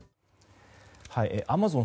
アマゾン